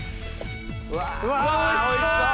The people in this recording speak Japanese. わぁおいしそう！